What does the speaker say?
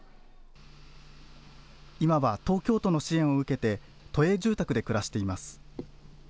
今は東京都の支援を受けて、都営住宅で暮らしています。